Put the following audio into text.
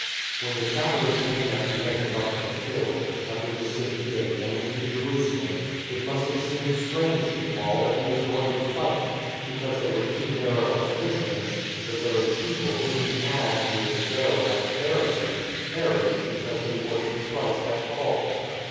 When the travellers came at length up the hill under the city gate and into Jerusalem, it must have seemed strange to Paul that he was going to fight — because they were too narrow as Christians — the very people whom he had, years ago, as a Pharisee, harried because they worshipped Christ at all.